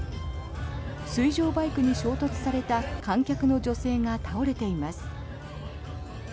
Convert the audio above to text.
水上バイクに衝突された観客の女性が倒れています。